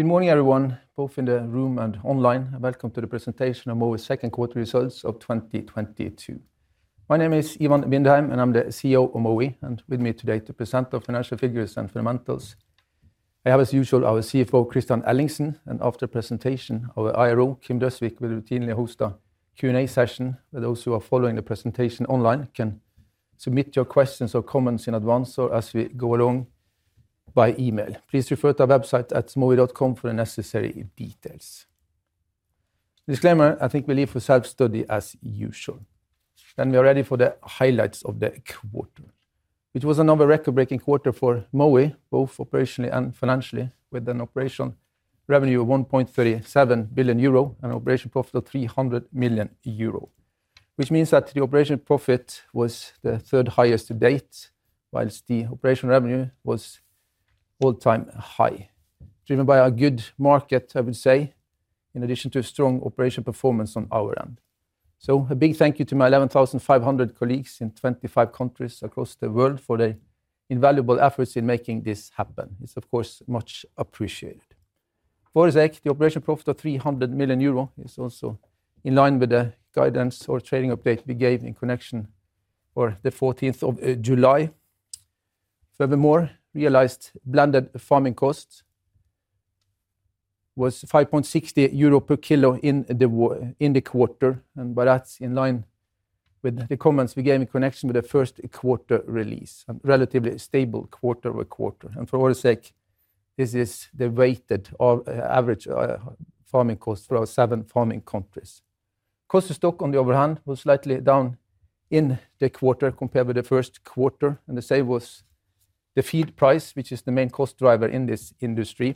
Good morning, everyone, both in the room and online, and welcome to the Presentation of Mowi's Second Quarter Results of 2022. My name is Ivan Vindheim, and I'm the CEO of Mowi, and with me today to present our financial figures and fundamentals, I have, as usual, our CFO, Kristian Ellingsen, and after presentation, our IRO, Kim Døsvik, will routinely host a Q&A session. Those who are following the presentation online can submit your questions or comments in advance or as we go along by email. Please refer to our website at mowi.com for the necessary details. Disclaimer, I think we leave for self-study as usual. We are ready for the highlights of the quarter, which was another record-breaking quarter for Mowi, both operationally and financially, with an operational revenue of 1.37 billion euro and operational profit of 300 million euro, which means that the operational profit was the third highest to date, whilst the operational revenue was all-time high, driven by a good market, I would say, in addition to a strong operational performance on our end. A big thank you to my 11,500 colleagues in 25 countries across the world for their invaluable efforts in making this happen. It's, of course, much appreciated. For the sake, the operational profit of 300 million euro is also in line with the guidance or trading update we gave in connection for the 14th of July. Furthermore, realized blended farming costs was 5.60 euro per kilo in the quarter, and but that's in line with the comments we gave in connection with the first quarter release, and relatively stable quarter-over-quarter. For all sake, this is the weighted or average farming cost for our seven farming countries. Cost of stock, on the other hand, was slightly down in the quarter compared with the first quarter, and the same was the feed price, which is the main cost driver in this industry.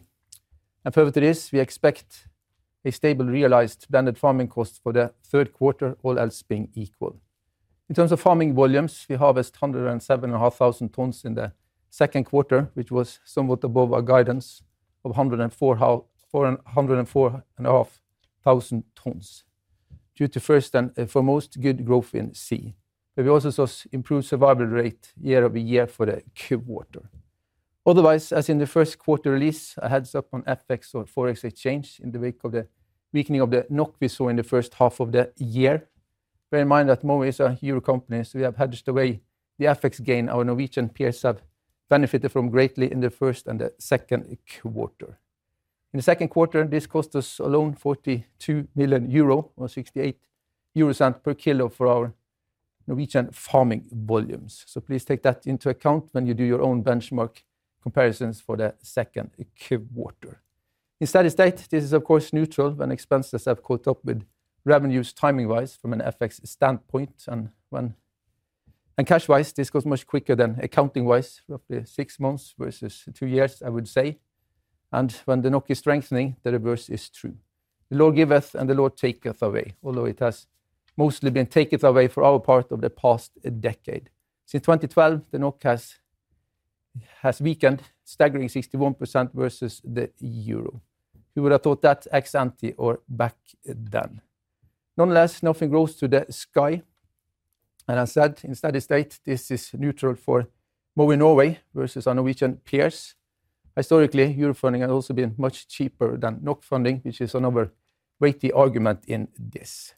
Further it is, we expect a stable realized blended farming cost for the third quarter, all else being equal. In terms of farming volumes, we harvest 107,500 tons in the second quarter, which was somewhat above our guidance of 104,500 tons, due to first and foremost good growth in sea. We also saw improved survival rate year-over-year for the quarter. Otherwise, as in the first quarter release, a heads-up on FX or foreign exchange in the wake of the weakening of the NOK we saw in the first half of the year. Bear in mind that Mowi is a euro company, so we have hedged away the FX gain our Norwegian peers have benefited from greatly in the first and the second quarter. In the second quarter, this cost us alone 42 million euro, or 0.68 per kilo for our Norwegian farming volumes. Please take that into account when you do your own benchmark comparisons for the second quarter. In steady state, this is of course, neutral when expenses have caught up with revenues timing-wise from an FX standpoint, and cash-wise, this goes much quicker than accounting-wise, roughly six months versus two years, I would say. When the NOK is strengthening, the reverse is true. The Lord giveth, and the Lord taketh away, although it has mostly been taketh away for our part of the past decade. Since 2012, the NOK has weakened, staggering 61% versus the EUR. Who would have thought that ex ante or back then? Nonetheless, nothing grows to the sky, and as said, in steady state, this is neutral for Mowi Norway versus our Norwegian peers. Historically, euro funding has also been much cheaper than NOK funding, which is another weighty argument in this.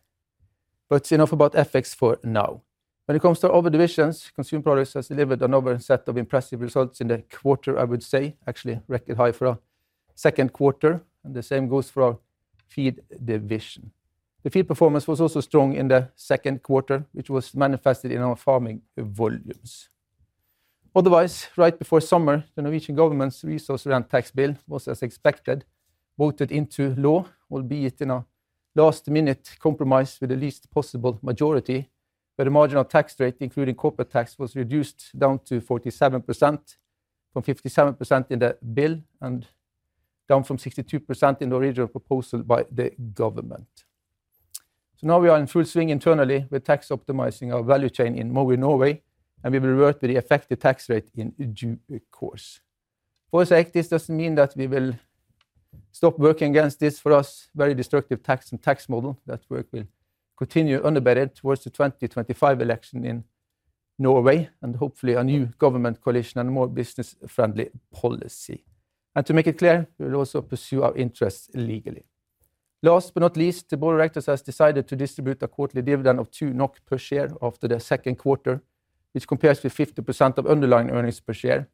Enough about FX for now. When it comes to other divisions, Consumer Products has delivered another set of impressive results in the quarter, I would say, actually, record high for a second quarter, and the same goes for our Feed division. The Feed performance was also strong in the second quarter, which was manifested in our farming volumes. Otherwise, right before summer, the Norwegian government's resource rent tax bill was, as expected, voted into law, albeit in a last-minute compromise with the least possible majority, where the marginal tax rate, including corporate tax, was reduced down to 47%, from 57% in the bill and down from 62% in the original proposal by the government. Now we are in full swing internally with tax optimizing our value chain in Mowi Norway, and we will revert to the effective tax rate in due course. For sake, this doesn't mean that we will stop working against this, for us, very destructive tax and tax model. That work will continue unabated towards the 2025 election in Norway, and hopefully a new government coalition and a more business-friendly policy. To make it clear, we will also pursue our interests legally. Last but not least, the board of directors has decided to distribute a quarterly dividend of 2 NOK per share after the second quarter, which compares to 50% of underlying earnings per share,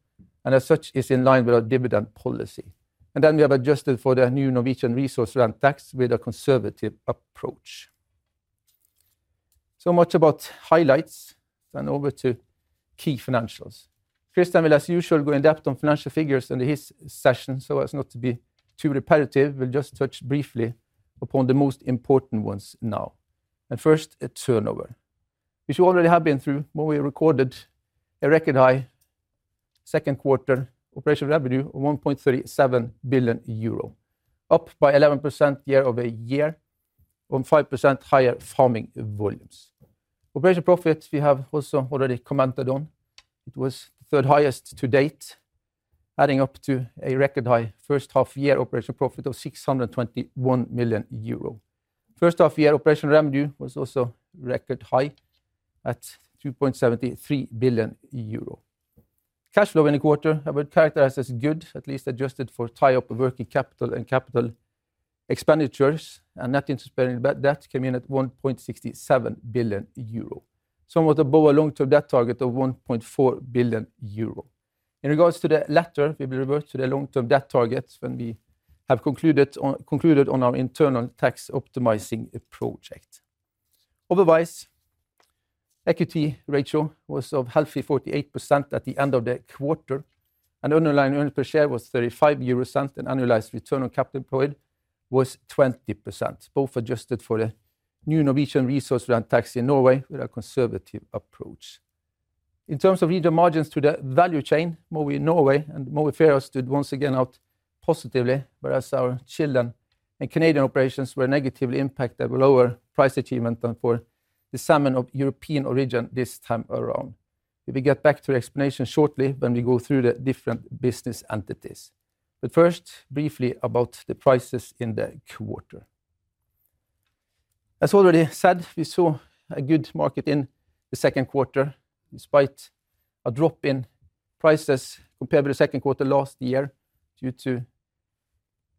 and as such, is in line with our dividend policy. Then we have adjusted for the new Norwegian resource rent tax with a conservative approach. Much about highlights, then over to key financials. Kristian will, as usual, go in-depth on financial figures under his session, so as not to be too repetitive, we'll just touch briefly upon the most important ones now, and first, turnover. As you already have been through, Mowi recorded a record high 2Q operational revenue of 1.37 billion euro, up by 11% year-over-year, on 5% higher farming volumes. Operational profit, we have also already commented on. It was the 3rd highest to date, adding up to a record high first half-year operational profit of 621 million euro. First half-year operational revenue was also record high at 2.73 billion euro. Cash flow in the quarter, I would characterize as good, at least adjusted for tie-up of working capital and CapEx, and net interest-bearing debt, that came in at 1.67 billion euro, somewhat above our long-term debt target of 1.4 billion euro. In regards to the latter, we will revert to the long-term debt target when we have concluded on, concluded on our internal tax optimizing project. Otherwise, equity ratio was of healthy 48% at the end of the quarter, and underlying earnings per share was 0.35, and annualized return on capital employed was 20%, both adjusted for the new Norwegian resource rent tax in Norway with a conservative approach. In terms of regional margins to the value chain, Mowi Norway and Mowi France stood once again out positively, whereas our Chile and Canadian operations were negatively impacted with lower price achievement than for the salmon of European origin this time around. We will get back to the explanation shortly when we go through the different business entities. First, briefly about the prices in the quarter. As already said, we saw a good market in the second quarter, despite a drop in prices compared to the second quarter last year, due to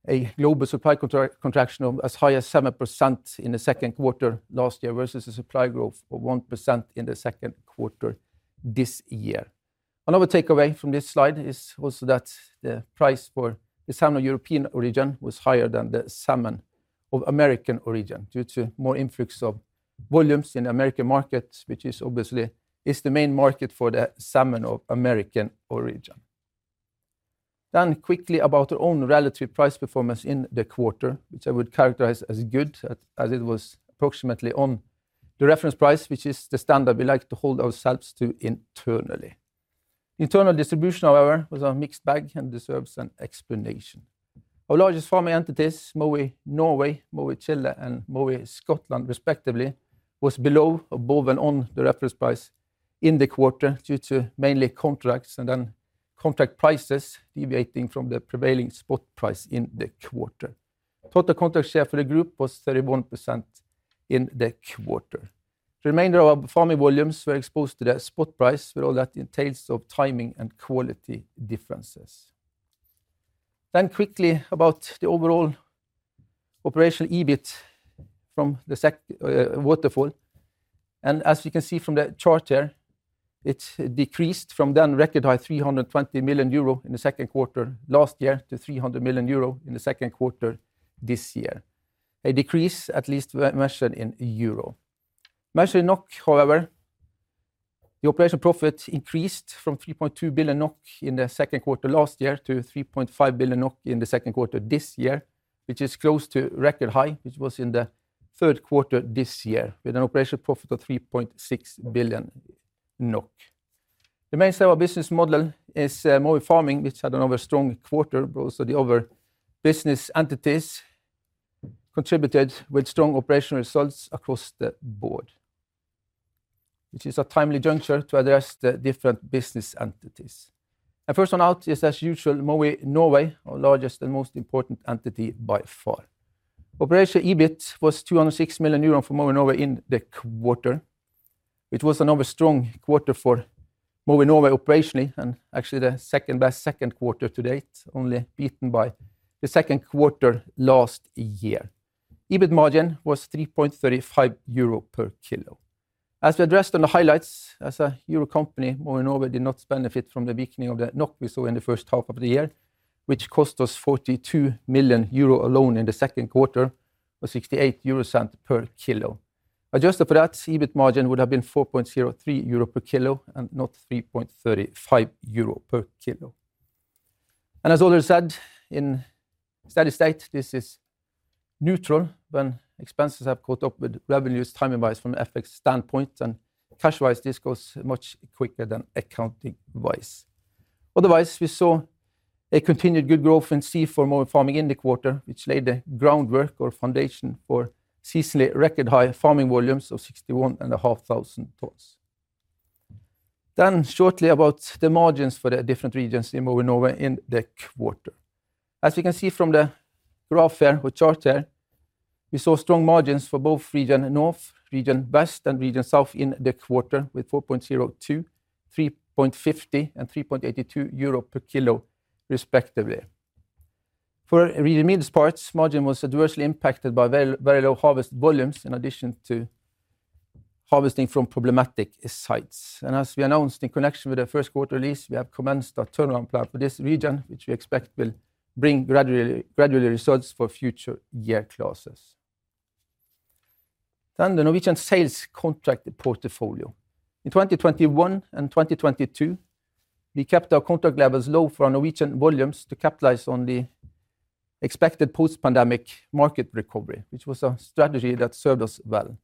a global supply contraction of as high as 7% in the second quarter last year, versus a supply growth of 1% in the second quarter this year. Another takeaway from this slide is also that the price for the salmon of European origin was higher than the salmon of American origin, due to more influx of volumes in the American market, which obviously is the main market for the salmon of American origin. Quickly about our own relative price performance in the quarter, which I would characterize as good, as it was approximately on the reference price, which is the standard we like to hold ourselves to internally. Internal distribution, however, was a mixed bag and deserves an explanation. Our largest farming entities, Mowi Norway, Mowi Chile, and Mowi Scotland, respectively, was below, above, and on the reference price in the quarter, due to mainly contracts and then contract prices deviating from the prevailing spot price in the quarter. Total contract share for the group was 31% in the quarter. The remainder of our farming volumes were exposed to the spot price, with all that entails of timing and quality differences. Quickly about the overall operational EBIT from the second waterfall. As you can see from the chart there, it decreased from then-record-high 320 million euro in the second quarter last year to 300 million euro in the second quarter this year. A decrease at least measured in EUR. Measured in NOK, however, the operational profit increased from 3.2 billion NOK in the second quarter last year to 3.5 billion NOK in the second quarter this year, which is close to record high, which was in the third quarter this year, with an operational profit of 3.6 billion NOK. The mainstay of our business model is Mowi Farming, which had another strong quarter, but also the other business entities contributed with strong operational results across the board. It is a timely juncture to address the different business entities. First one out is, as usual, Mowi Norway, our largest and most important entity by far. Operational EBIT was 206 million euros for Mowi Norway in the quarter, which was another strong quarter for Mowi Norway operationally, and actually the 2nd best 2nd quarter to date, only beaten by the 2nd quarter last year. EBIT margin was 3.35 euro per kilo. As we addressed on the highlights, as a euro company, Mowi Norway did not benefit from the weakening of the NOK we saw in the first half of the year, which cost us 42 million euro alone in the second quarter, or 0.68 per kilo. Adjusted for that, EBIT margin would have been 4.03 euro per kilo, not 3.35 euro per kilo. As already said, in steady state, this is neutral when expenses have caught up with revenues timing-wise from an FX standpoint, and cash-wise, this goes much quicker than accounting-wise. Otherwise, we saw a continued good growth in sea for Mowi Farming in the quarter, which laid the groundwork or foundation for seasonally record-high farming volumes of 61,500 tons. Shortly about the margins for the different regions in Mowi Norway in the quarter. As you can see from the graph there or chart there, we saw strong margins for both Region North, Region West, and Region South in the quarter, with 4.02, 3.50, and 3.82 euro per kilo, respectively. For Region Mid, margin was adversely impacted by very, very low harvest volumes, in addition to harvesting from problematic sites. As we announced in connection with the first quarter release, we have commenced our turnaround plan for this region, which we expect will bring gradually, gradually results for future year classes. The Norwegian sales contract portfolio. In 2021 and 2022, we kept our contract levels low for our Norwegian volumes to capitalize on the expected post-pandemic market recovery, which was a strategy that served us well.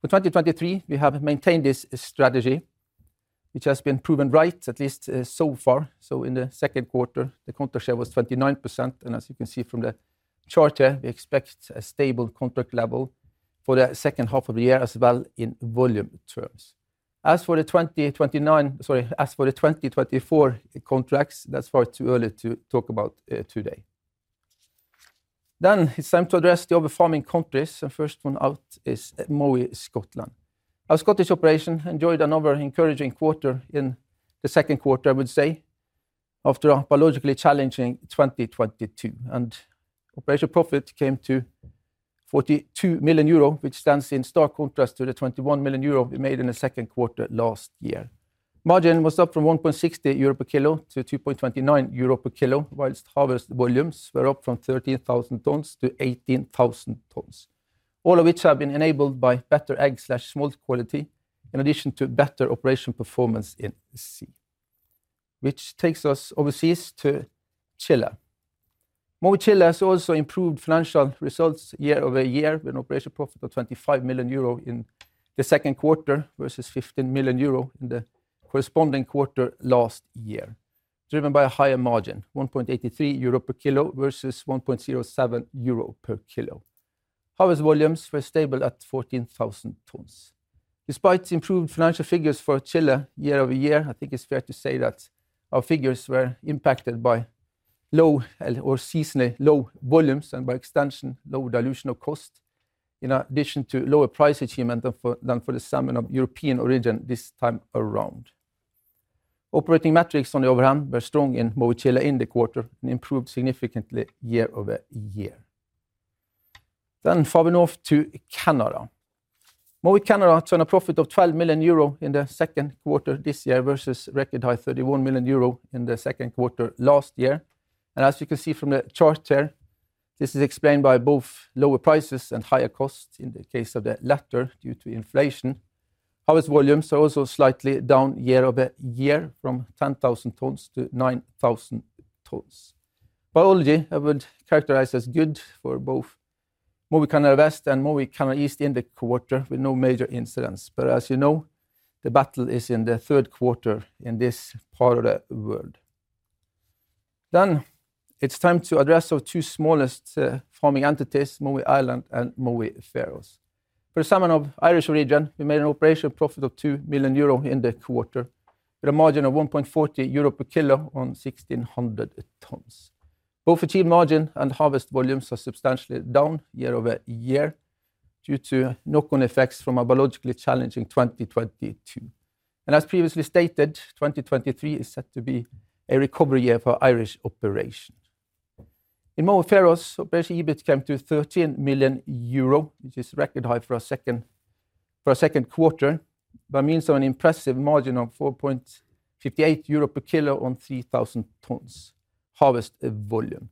For 2023, we have maintained this strategy, which has been proven right, at least, so far. In the second quarter, the contract share was 29%, and as you can see from the chart here, we expect a stable contract level for the second half of the year as well in volume terms. As for the 29. Sorry, as for the 2024 contracts, that's far too early to talk about today. Then it's time to address the other farming countries, and first one out is Mowi Scotland. Our Scottish operation enjoyed another encouraging quarter in the second quarter, I would say, after a biologically challenging 2022. Operational profit came to 42 million euro, which stands in stark contrast to the 21 million euro we made in the second quarter last year. Margin was up from 1.60 euro per kilo to 2.29 euro per kilo, whilst harvest volumes were up from 13,000 tons to 18,000 tons. All of which have been enabled by better egg/smolt quality, in addition to better operation performance in sea. Which takes us overseas to Chile. Mowi Chile has also improved financial results year-over-year, with an operational profit of 25 million euro in the second quarter, versus 15 million euro in the corresponding quarter last year, driven by a higher margin, 1.83 euro per kilo versus 1.07 euro per kilo. Harvest volumes were stable at 14,000 tons. Despite improved financial figures for Chile year-over-year, I think it's fair to say that our figures were impacted by low or seasonally low volumes, and by extension, low dilution of cost, in addition to lower price achievement than for the salmon of European origin this time around. Operating metrics, on the other hand, were strong in Mowi Chile in the quarter and improved significantly year-over-year. Farther north to Canada. Mowi Canada turned a profit of 12 million euro in the second quarter this year, versus record high 31 million euro in the second quarter last year. As you can see from the chart here, this is explained by both lower prices and higher costs, in the case of the latter, due to inflation. Harvest volumes are also slightly down year-over-year, from 10,000 tons to 9,000 tons. Biology, I would characterize as good for both Mowi Canada West and Mowi Canada East in the quarter, with no major incidents, as you know, the battle is in the third quarter in this part of the world. It's time to address our two smallest farming entities, Mowi Ireland and Mowi Faroes. For the salmon of Irish region, we made an operational profit of 2 million euro in the quarter, with a margin of 1.40 euro per kilo on 1,600 tons. Both achieved margin and harvest volumes are substantially down year-over-year due to knock-on effects from a biologically challenging 2022. As previously stated, 2023 is set to be a recovery year for Irish operation. In Mowi Faroes, operating EBIT came to 13 million euro, which is record high for a second quarter, by means of an impressive margin of 4.58 euro per kilo on 3,000 tons harvest volume.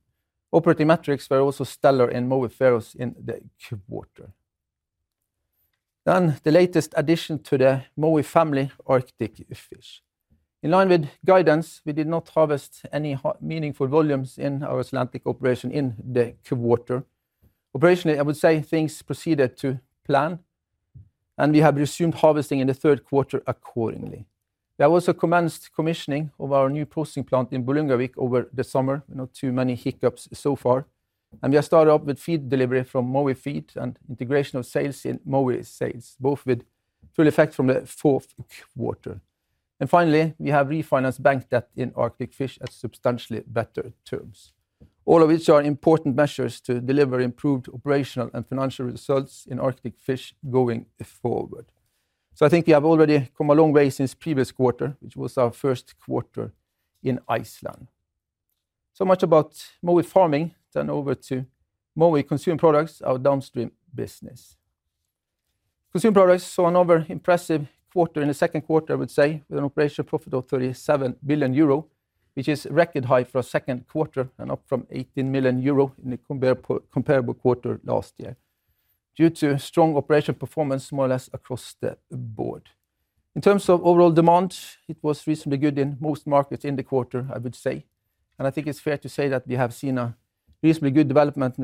Operating metrics were also stellar in Mowi Faroes in the quarter. The latest addition to the Mowi family, Arctic Fish. In line with guidance, we did not harvest any meaningful volumes in our Atlantic operation in the quarter. Operationally, I would say things proceeded to plan, and we have resumed harvesting in the third quarter accordingly. We have also commenced commissioning of our new processing plant in Bolungarvik over the summer. Not too many hiccups so far. We have started up with Feed delivery from Mowi Feed and integration of sales in Mowi Sales, both with full effect from the fourth quarter. Finally, we have refinanced bank debt in Arctic Fish at substantially better terms. All of which are important measures to deliver improved operational and financial results in Arctic Fish going forward. I think we have already come a long way since previous quarter, which was our first quarter in Iceland. Much about Mowi Farming. Turn over to Mowi Consumer Products, our downstream business. Consumer Products saw another impressive quarter in the second quarter, I would say, with an operational profit of 37 million euro, which is record high for a second quarter and up from 18 million euro in the comparable quarter last year, due to strong operational performance more or less across the board. In terms of overall demand, it was reasonably good in most markets in the quarter, I would say, and I think it's fair to say that we have seen a reasonably good development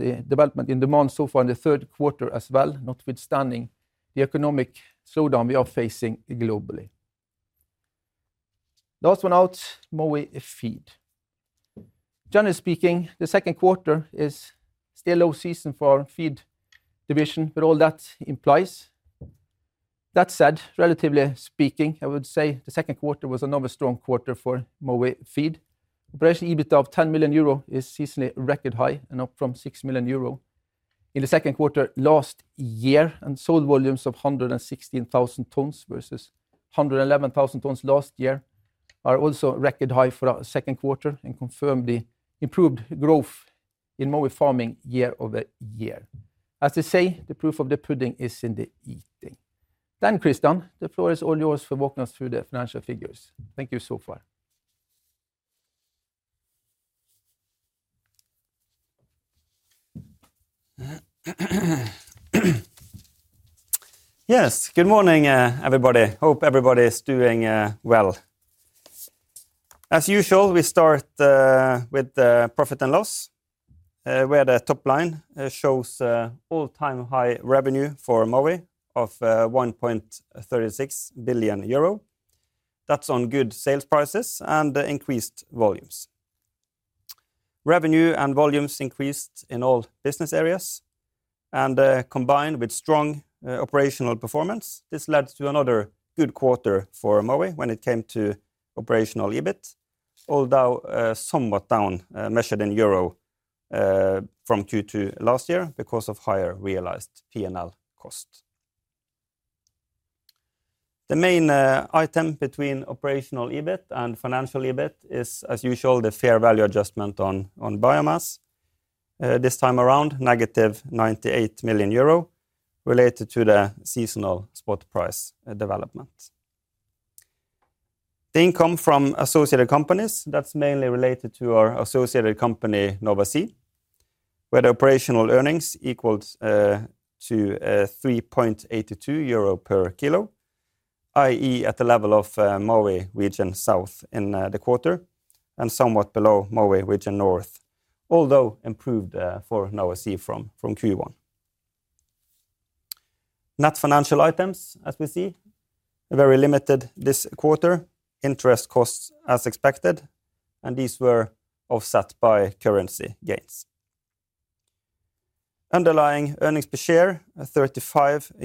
in demand so far in the third quarter as well, notwithstanding the economic slowdown we are facing globally. Last one out, Mowi Feed. Generally speaking, the second quarter is still low season for Feed division, with all that implies. That said, relatively speaking, I would say the second quarter was another strong quarter for Mowi Feed. Operational EBIT of 10 million euro is seasonally record high and up from 6 million euro in the second quarter last year. Sold volumes of 116,000 tons versus 111,000 tons last year are also record high for our second quarter and confirm the improved growth in Mowi Farming year-over-year. As they say, the proof of the pudding is in the eating. Kristian, the floor is all yours for walking us through the financial figures. Thank you so far. Yes, good morning, everybody. Hope everybody is doing well. As usual, we start with the profit and loss, where the top line shows all-time high revenue for Mowi of 1.36 billion euro. That's on good sales prices and increased volumes. Revenue and volumes increased in all business areas. Combined with strong operational performance, this led to another good quarter for Mowi when it came to operational EBIT, although somewhat down measured in EUR from Q2 last year because of higher realized P&L cost. The main item between operational EBIT and financial EBIT is, as usual, the fair value adjustment on biomass. This time around, negative 98 million euro related to the seasonal spot price development. The income from associated companies, that's mainly related to our associated company, Nova Sea, where the operational earnings equals to 3.82 euro per kilo, i.e., at the level of Mowi Region South in the quarter, and somewhat below Mowi Region North, although improved for Nova Sea from Q1. Net financial items, as we see, are very limited this quarter. Interest costs as expected. These were offset by currency gains. Underlying earnings per share, 0.35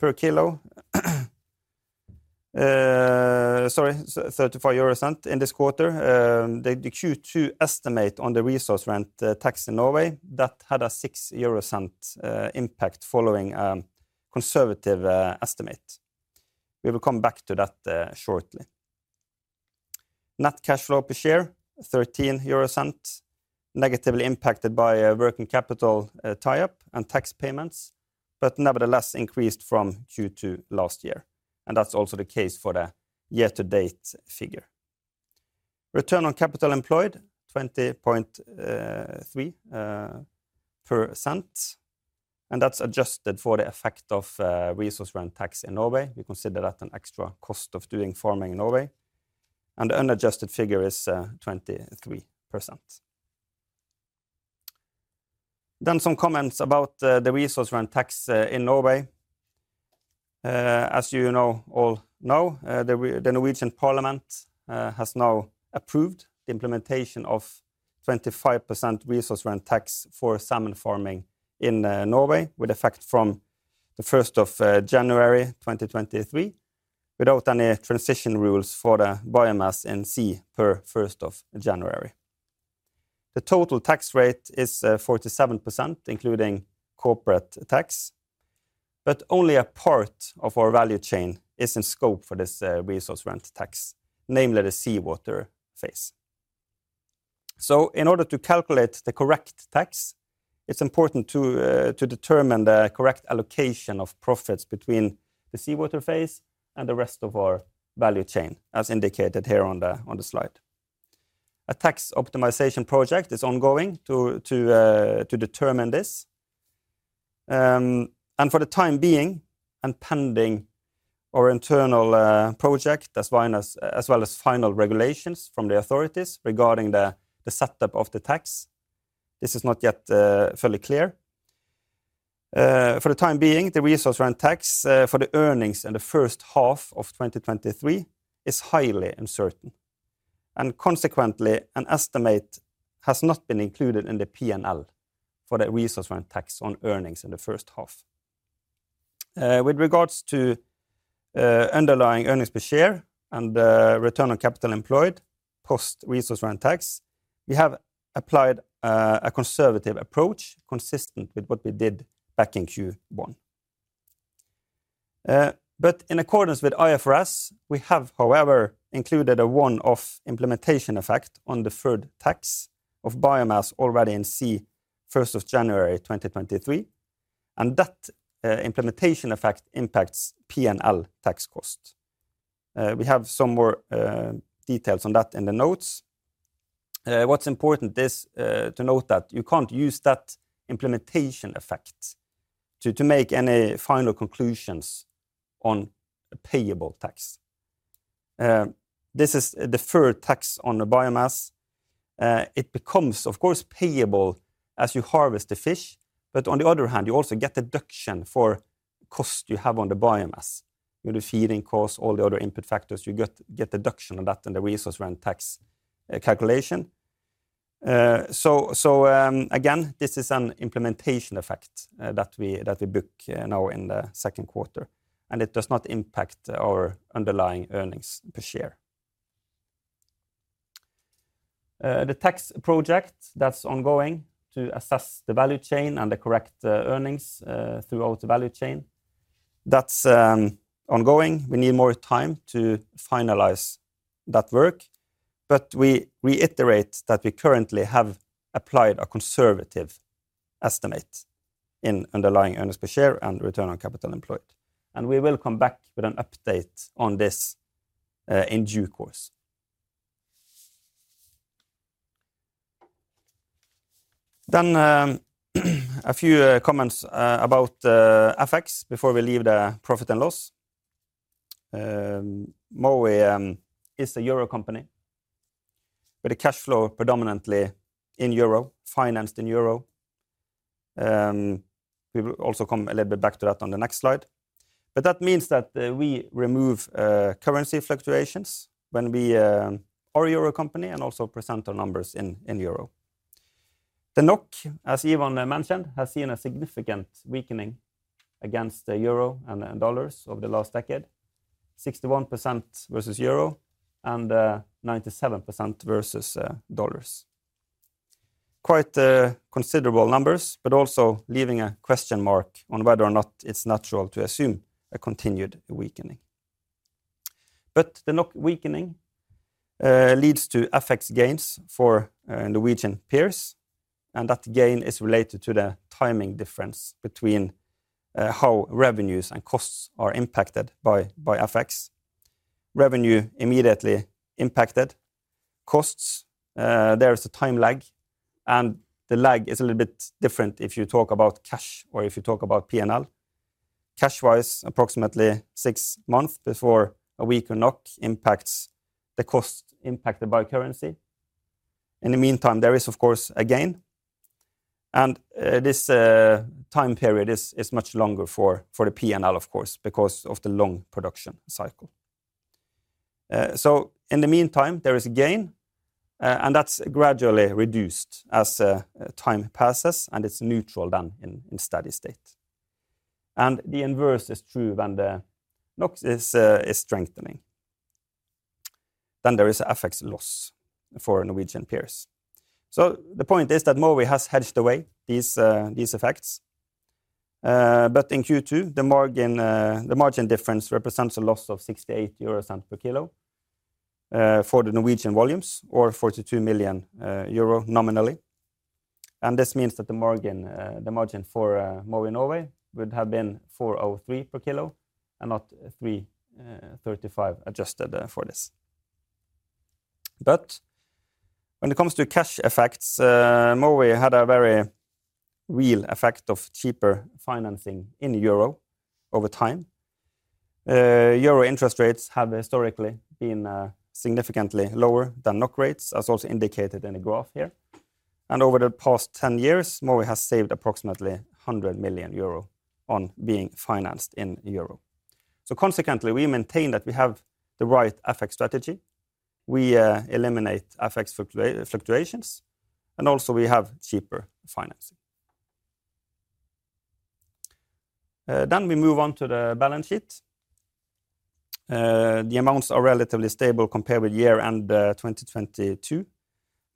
per kilo. Sorry, 0.35 in this quarter. The Q2 estimate on the resource rent tax in Norway, that had a 0.06 impact following conservative estimate. We will come back to that shortly. Net cash flow per share, 0.13, negatively impacted by a working capital tie-up and tax payments, but nevertheless increased from Q2 last year, and that's also the case for the year-to-date figure. Return on capital employed, 20.3%, and that's adjusted for the effect of resource rent tax in Norway. We consider that an extra cost of doing farming in Norway, and the unadjusted figure is 23%. Some comments about the resource rent tax in Norway. As you know, all know, the Norwegian Parliament has now approved the implementation of 25% resource rent tax for salmon farming in Norway, with effect from January 1, 2023, without any transition rules for the biomass in sea per January 1. The total tax rate is 47%, including corporate tax, but only a part of our value chain is in scope for this resource rent tax, namely the seawater phase. In order to calculate the correct tax, it's important to determine the correct allocation of profits between the seawater phase and the rest of our value chain, as indicated here on the slide. A tax optimization project is ongoing to determine this. For the time being, and pending our internal project, as well as final regulations from the authorities regarding the setup of the tax, this is not yet fully clear. For the time being, the resource rent tax for the earnings in the first half of 2023 is highly uncertain. Consequently, an estimate has not been included in the P&L for the resource rent tax on earnings in the first half. With regards to underlying earnings per share and return on capital employed post-resource rent tax, we have applied a conservative approach consistent with what we did back in Q1. In accordance with IFRS, we have, however, included a one-off implementation effect on deferred tax of biomass already in sea January 1, 2023. That implementation effect impacts P&L tax cost. We have some more details on that in the notes. What's important is to note that you can't use that implementation effect to make any final conclusions on payable tax. This is deferred tax on the biomass. It becomes, of course, payable as you harvest the fish, on the other hand, you also get deduction for cost you have on the biomass, with the feeding costs, all the other input factors, you get, get deduction on that and the resource rent tax calculation. Again, this is an implementation effect that we, that we book now in the second quarter, and it does not impact our underlying earnings per share. The tax project that's ongoing to assess the value chain and the correct earnings throughout the value chain, that's ongoing. We need more time to finalize that work, but we reiterate that we currently have applied a conservative estimate in underlying earnings per share and return on capital employed, and we will come back with an update on this in due course. A few comments about FX before we leave the profit and loss. Mowi is a euro company with a cash flow predominantly in euro, financed in euro. We will also come a little bit back to that on the next slide. That means that we remove currency fluctuations when we are a euro company and also present our numbers in euro. The NOK, as Ivan mentioned, has seen a significant weakening against the euro and dollars over the last decade. 61% versus euro and 97% versus dollars. Quite considerable numbers, also leaving a question mark on whether or not it's natural to assume a continued weakening. The NOK weakening leads to FX gains for Norwegian peers, and that gain is related to the timing difference between how revenues and costs are impacted by FX. Revenue immediately impacted. Costs, there is a time lag, and the lag is a little bit different if you talk about cash or if you talk about P&L. Cash-wise, approximately six months before a weaker NOK impacts the cost impacted by currency. In the meantime, there is, of course, a gain, and this time period is much longer for the P&L, of course, because of the long production cycle. In the meantime, there is a gain, and that's gradually reduced as time passes, and it's neutral then in, in steady state. The inverse is true when the NOK is strengthening, then there is a FX loss for Norwegian peers. The point is that Mowi has hedged away these effects. In Q2, the margin, the margin difference represents a loss of 0.68 euros per kilo, for the Norwegian volumes, or 42 million euro nominally. This means that the margin, the margin for Mowi Norway would have been 4.03 per kilo and not 3.35, adjusted for this. When it comes to cash effects, Mowi had a very real effect of cheaper financing in euro over time. EUR interest rates have historically been significantly lower than NOK rates, as also indicated in the graph here. Over the past 10 years, Mowi has saved approximately 100 million euro on being financed in EUR. Consequently, we maintain that we have the right FX strategy. We eliminate FX fluctuations, and also we have cheaper financing. We move on to the balance sheet. The amounts are relatively stable compared with year-end 2022.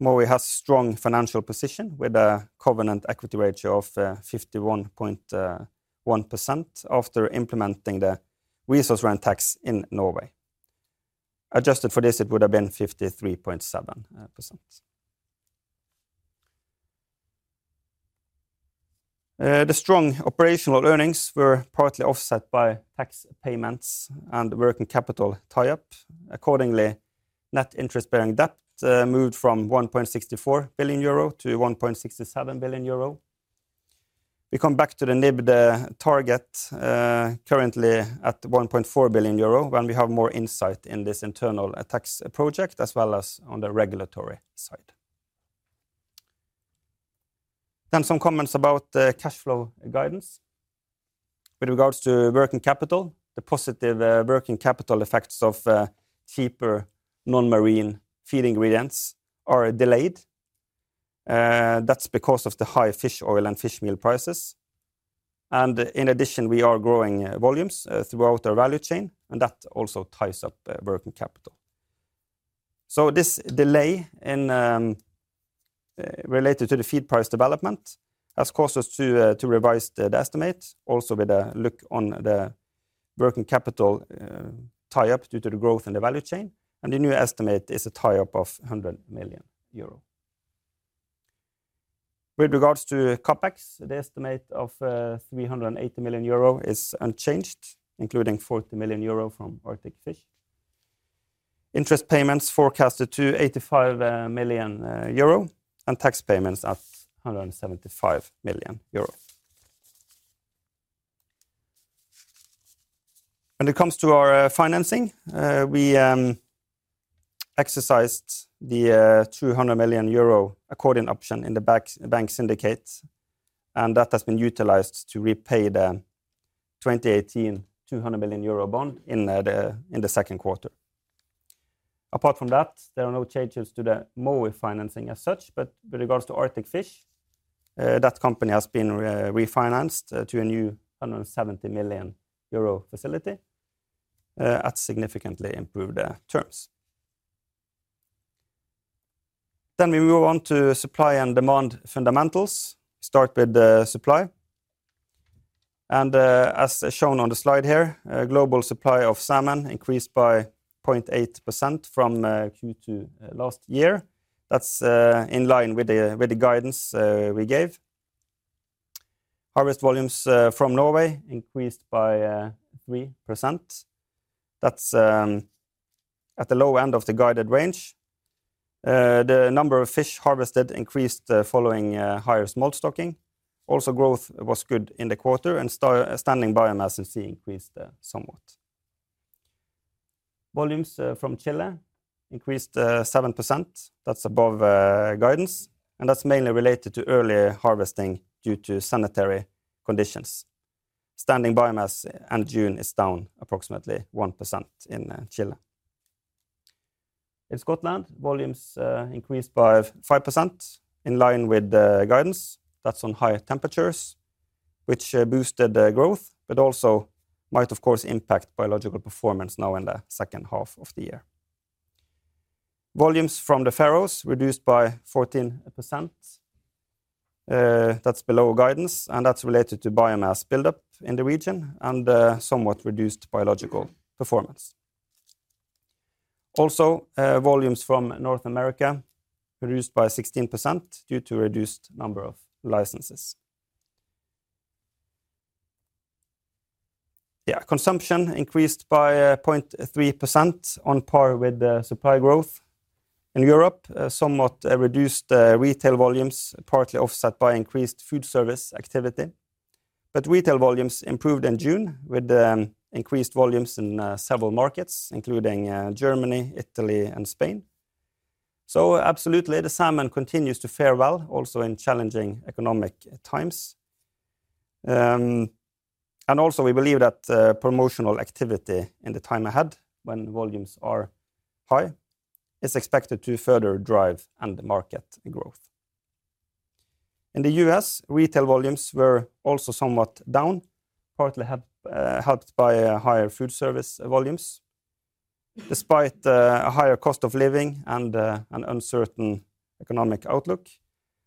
Mowi has strong financial position, with a covenant equity ratio of 51.1% after implementing the resource rent tax in Norway. Adjusted for this, it would have been 53.7%. The strong operational earnings were partly offset by tax payments and working capital tie-up. Accordingly, net interest-bearing debt moved from 1.64 billion euro to 1.67 billion euro. We come back to the NIBD target, currently at 1.4 billion euro, when we have more insight in this internal tax project, as well as on the regulatory side. Some comments about the cash flow guidance. With regards to working capital, the positive working capital effects of cheaper non-marine feed ingredients are delayed. That's because of the high fish oil and fish meal prices. In addition, we are growing volumes throughout our value chain, and that also ties up working capital. This delay in related to the feed price development has caused us to revise the estimate, also with a look on the working capital tie-up due to the growth in the value chain, and the new estimate is a tie-up of 100 million euro. With regards to CapEx, the estimate of 380 million euro is unchanged, including 40 million euro from Arctic Fish. Interest payments forecasted to 85 million euro, and tax payments at 175 million euro. When it comes to our financing, we exercised the 200 million euro accordion option in the bank, bank syndicate, and that has been utilized to repay the 2018 200 million euro bond in the second quarter. Apart from that, there are no changes to the Mowi financing as such, but with regards to Arctic Fish, that company has been refinanced to a new 170 million euro facility at significantly improved terms. We move on to supply and demand fundamentals. Start with the supply. As shown on the slide here, global supply of salmon increased by 0.8% from Q2 last year. That's in line with the guidance we gave. Harvest volumes from Norway increased by 3%. That's at the low end of the guided range. The number of fish harvested increased following higher smolt stocking. Also, growth was good in the quarter, and standing biomass at sea increased somewhat. volumes from Chile increased 7%. That's above guidance, that's mainly related to early harvesting due to sanitary conditions. Standing biomass in June is down approximately 1% in Chile. In Scotland, volumes increased by 5%, in line with the guidance. That's on higher temperatures, which boosted the growth, also might, of course, impact biological performance now in the second half of the year. Volumes from the Faroes reduced by 14%. That's below guidance, that's related to biomass buildup in the region and somewhat reduced biological performance. Also, volumes from North America reduced by 16% due to reduced number of licenses. Yeah, consumption increased by 0.3%, on par with the supply growth. In Europe, somewhat reduced retail volumes, partly offset by increased food service activity. Retail volumes improved in June, with increased volumes in several markets, including Germany, Italy, and Spain. Absolutely, the salmon continues to fare well, also in challenging economic times. Also, we believe that promotional activity in the time ahead, when volumes are high, is expected to further drive end market growth. In the U.S., retail volumes were also somewhat down, partly helped by higher food service volumes. Despite a higher cost of living and an uncertain economic outlook,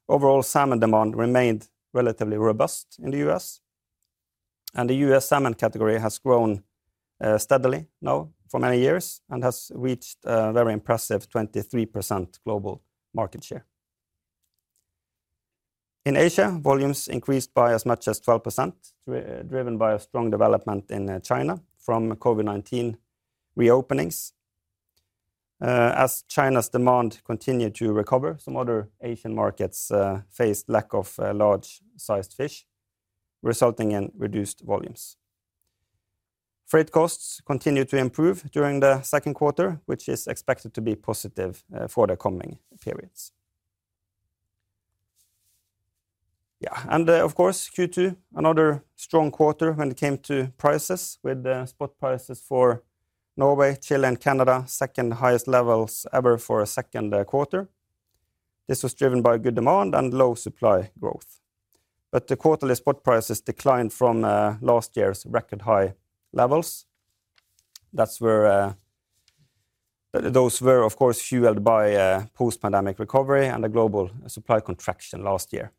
overall salmon demand remained relatively robust in the U.S. The U.S. salmon category has grown steadily now for many years and has reached a very impressive 23% global market share. In Asia, volumes increased by as much as 12%, driven by a strong development in China from COVID-19 reopenings. As China's demand continued to recover, some other Asian markets faced lack of large-sized fish, resulting in reduced volumes. Freight costs continued to improve during the second quarter, which is expected to be positive for the coming periods. Of course, Q2, another strong quarter when it came to prices, with the spot prices for Norway, Chile, and Canada, second-highest levels ever for a second quarter. This was driven by good demand and low supply growth. The quarterly spot prices declined from last year's record-high levels. That's where, those were, of course, fueled by a post-pandemic recovery and a global supply contraction last year.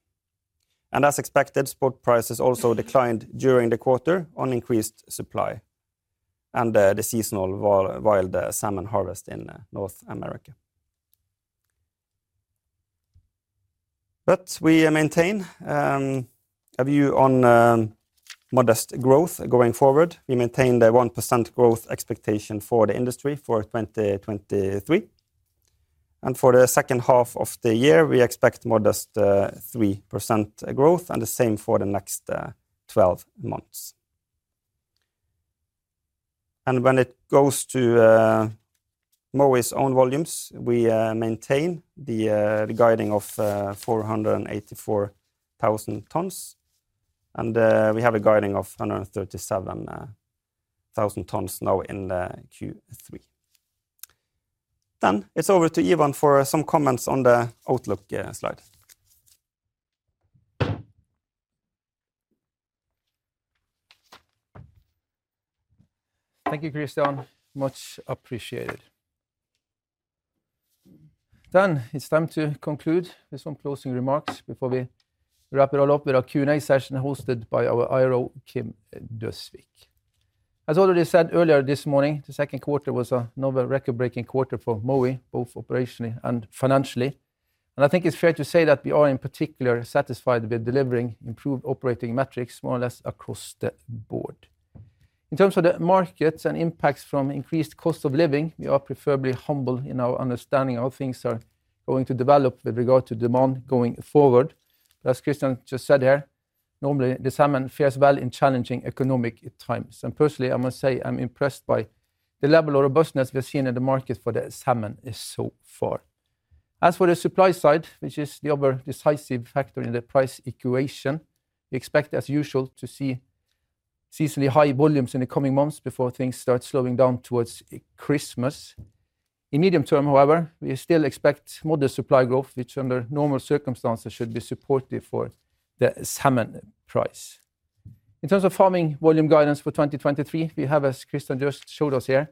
As expected, spot prices also declined during the quarter on increased supply and the seasonal wild salmon harvest in North America. We maintain a view on modest growth going forward. We maintain the 1% growth expectation for the industry for 2023, and for the second half of the year, we expect modest 3% growth, and the same for the next 12 months. When it goes to Mowi's own volumes, we maintain the guiding of 484,000 tons, and we have a guiding of 137,000 tons now in Q3. It's over to Ivan for some comments on the outlook slide. Thank you, Kristian. Much appreciated. It's time to conclude with some closing remarks before we wrap it all up with our Q&A session, hosted by our IRO, Kim Døsvik. As already said earlier this morning, the second quarter was another record-breaking quarter for Mowi, both operationally and financially, and I think it's fair to say that we are, in particular, satisfied with delivering improved operating metrics more or less across the board. In terms of the markets and impacts from increased cost of living, we are preferably humble in our understanding of how things are going to develop with regard to demand going forward. As Kristian just said here, normally the salmon fares well in challenging economic times, and personally, I must say, I'm impressed by the level of robustness we've seen in the market for the salmon so far. As for the supply side, which is the other decisive factor in the price equation, we expect, as usual, to see seasonally high volumes in the coming months before things start slowing down towards Christmas. In medium term, however, we still expect modest supply growth, which, under normal circumstances, should be supportive for the salmon price. In terms of farming volume guidance for 2023, we have, as Kristian just showed us here,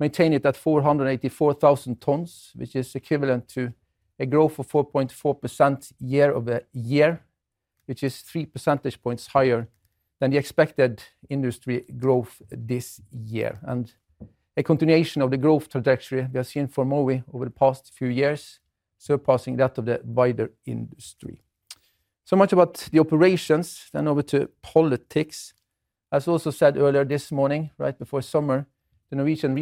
maintained it at 484,000 tons, which is equivalent to a growth of 4.4% year-over-year, which is 3 percentage points higher than the expected industry growth this year, and a continuation of the growth trajectory we have seen for Mowi over the past few years, surpassing that of the wider industry. Much about the operations, then over to politics. As also said earlier this morning, right before summer, the Norwegian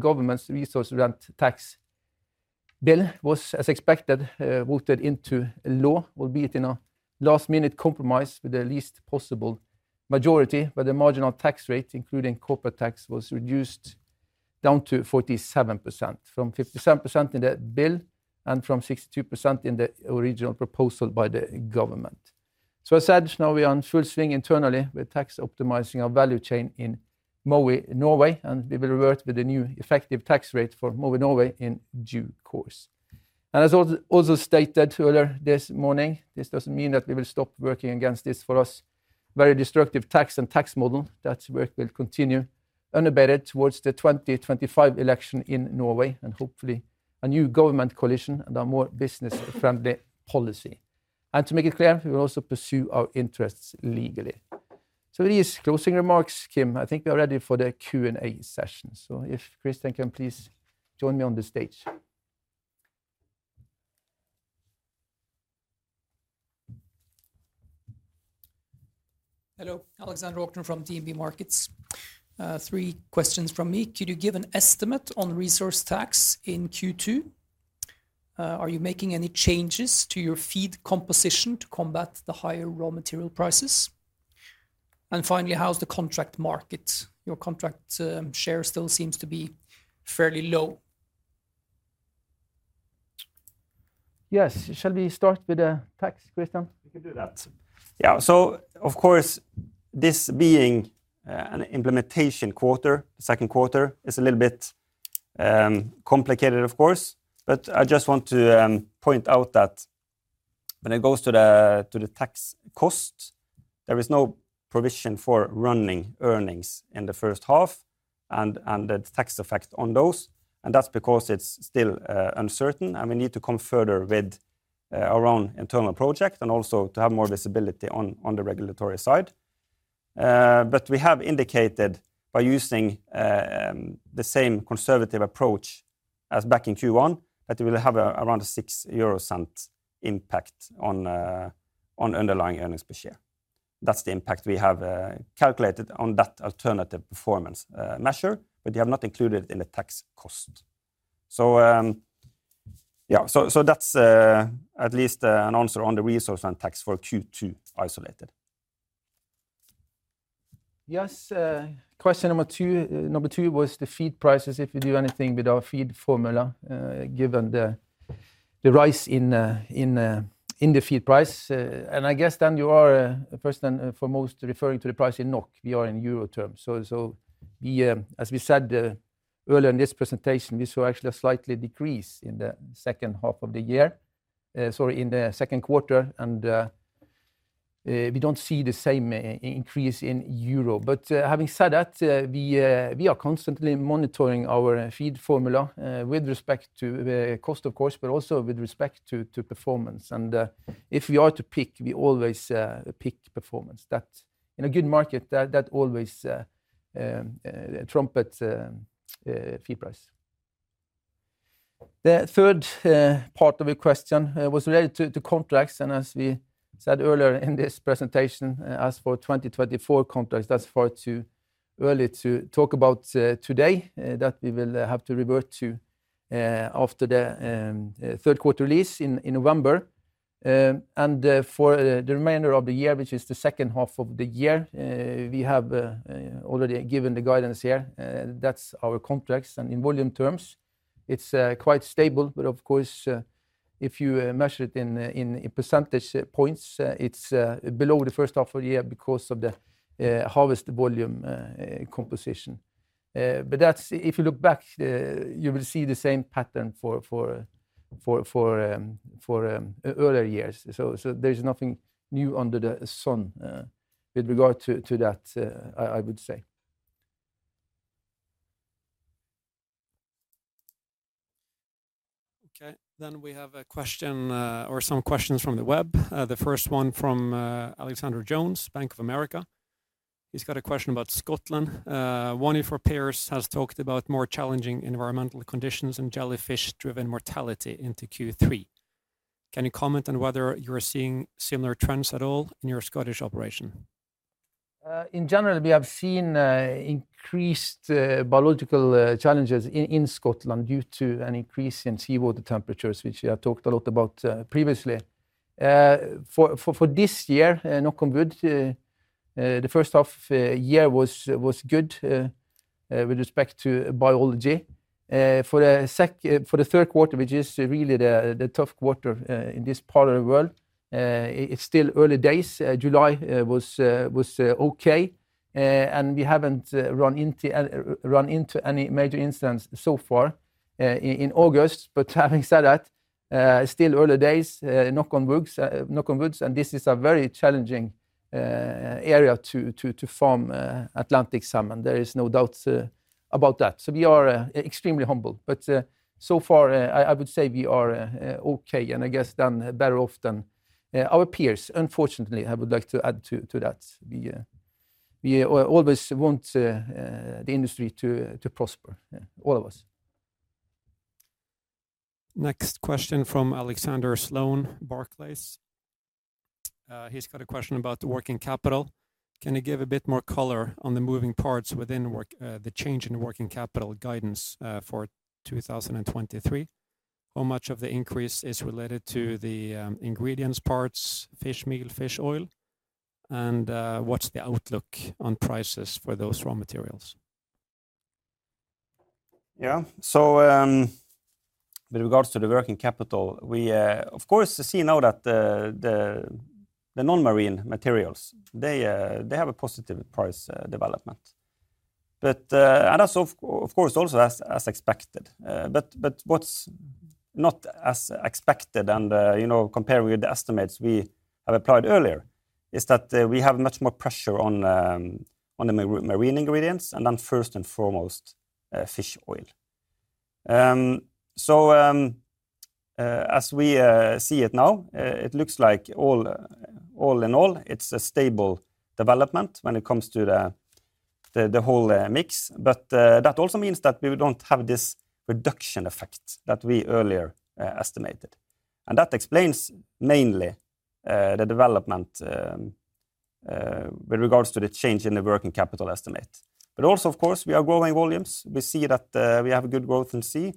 government's resource rent tax bill was, as expected, voted into law, albeit in a last-minute compromise with the least possible majority, but the marginal tax rate, including corporate tax, was reduced down to 47%, from 57% in the bill and from 62% in the original proposal by the government. As said, now we are in full swing internally with tax optimizing our value chain in Mowi Norway, and we will revert with a new effective tax rate for Mowi Norway in due course. As also stated earlier this morning, this doesn't mean that we will stop working against this, for us, very destructive tax and tax model. That work will continue unabated towards the 2025 election in Norway, and hopefully a new government coalition and a more business-friendly policy. To make it clear, we will also pursue our interests legally. With these closing remarks, Kim, I think we are ready for the Q&A session. If Kristian can please join me on the stage. Hello, Alexander Aukner from DNB Markets. Three questions from me. Could you give an estimate on resource tax in Q2? Are you making any changes to your Feed composition to combat the higher raw material prices? Finally, how's the contract market? Your contract share still seems to be fairly low. Yes. Shall we start with the tax, Kristian? We can do that. Of course, this being an implementation quarter, second quarter, is a little bit complicated, of course. I just want to point out that when it goes to the tax cost, there is no provision for running earnings in the first half and the tax effect on those, and that's because it's still uncertain, and we need to come further with our own internal project and also to have more visibility on the regulatory side. We have indicated by using the same conservative approach as back in Q1, that it will have around a 0.06 impact on underlying earnings per share. That's the impact we have calculated on that alternative performance measure, but we have not included it in the tax cost. Yeah, so, so that's at least an answer on the resource and tax for Q2 isolated. Yes, question number two, number two was the feed prices, if we do anything with our feed formula, given the rise in the feed price. I guess then you are first and foremost referring to the price in NOK. We are in euro terms. We, as we said earlier in this presentation, we saw actually a slight decrease in the second half of the year, sorry, in the second quarter, we don't see the same increase in euro. Having said that, we are constantly monitoring our feed formula with respect to the cost, of course, but also with respect to performance. If we are to pick, we always pick performance. That. In a good market, that, that always trumpet feed price. The third part of your question was related to, to contracts. As we said earlier in this presentation, as for 2024 contracts, that's far too early to talk about today. That we will have to revert to after the 3rd quarter release in, in November. For the remainder of the year, which is the 2nd half of the year, we have already given the guidance here. That's our contracts. In volume terms, it's quite stable. Of course, if you measure it in in percentage points, it's below the 1st half of the year because of the harvest volume composition. That's, If you look back, you will see the same pattern for earlier years. There's nothing new under the sun, with regard to, to that, I, I would say. Okay, we have a question, or some questions from the web. The first one from Alexander Jones, Bank of America. He's got a question about Scotland. One of our peers has talked about more challenging environmental conditions and jellyfish-driven mortality into Q3. Can you comment on whether you are seeing similar trends at all in your Scottish operation? In general, we have seen increased biological challenges in Scotland due to an increase in seawater temperatures, which we have talked a lot about previously. For this year, knock on wood, the first half year was good with respect to biology. For the third quarter, which is really the tough quarter in this part of the world, it's still early days. July was okay, and we haven't run into any major incidents so far in August. But having said that, still early days, knock on woods, knock on woods, and this is a very challenging area to farm Atlantic salmon. There is no doubt about that. We are extremely humble, but so far, I, I would say we are okay, and I guess done better off than our peers. Unfortunately, I would like to add to that. We always want the industry to prosper, yeah, all of us. Next question from Alexander Sloane, Barclays. He's got a question about the working capital. Can you give a bit more color on the moving parts within work, the change in working capital guidance, for 2023? How much of the increase is related to the ingredients parts, fish meal, fish oil, and what's the outlook on prices for those raw materials? Yeah. With regards to the working capital, we, of course, see now that the, the, the non-marine materials, they, they have a positive price development. Also, of, of course, also as, as expected. But what's not as expected and, you know, compared with the estimates we have applied earlier, is that, we have much more pressure on, on the marine ingredients, and on first and foremost, fish oil. As we see it now, it looks like all, all in all, it's a stable development when it comes to the, the, the whole mix. That also means that we don't have this reduction effect that we earlier estimated, and that explains mainly the development with regards to the change in the working capital estimate. Of course, we are growing volumes. We see that we have a good growth in sea.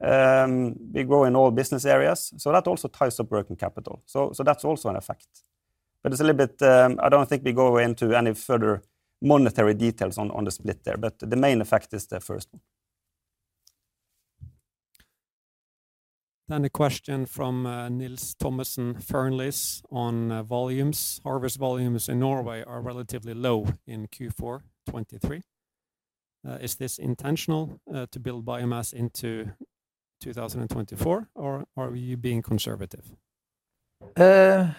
We grow in all business areas, so that also ties up working capital. So that's also an effect. It's a little bit, I don't think we go into any further monetary details on the split there, but the main effect is the first one. A question from Nils Thommesen Fearnleys on volumes. Harvest volumes in Norway are relatively low in Q4 2023. Is this intentional to build biomass into 2024, or are you being conservative? Well,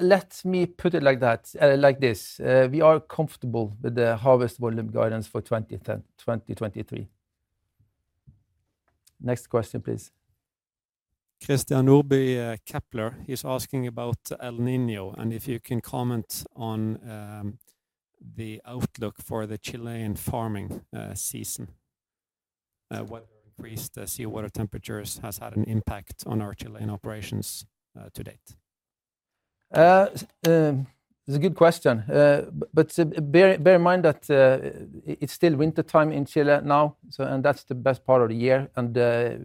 let me put it like that, like this. We are comfortable with the harvest volume guidance for 2023. Next question, please. Christian Nordby Kepler, he's asking about El Niño, and if you can comment on the outlook for the Chilean farming season. Whether increased sea water temperatures has had an impact on our Chilean operations to date. It's a good question. Bear, bear in mind that it's still wintertime in Chile now, so, and that's the best part of the year.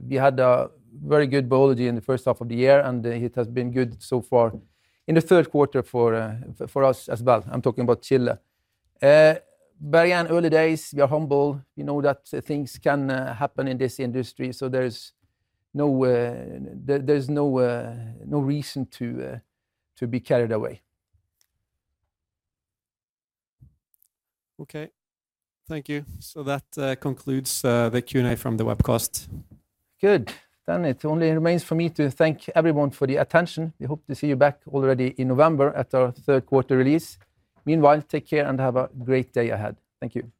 We had a very good biology in the first half of the year, and it has been good so far in the third quarter for us as well. I'm talking about Chile. Again, early days, we are humble. We know that things can happen in this industry, so there's no, there's no, no reason to be carried away. Okay. Thank you. That concludes the Q&A from the webcast. Good. It only remains for me to thank everyone for the attention. We hope to see you back already in November at our third quarter release. Meanwhile, take care and have a great day ahead. Thank you.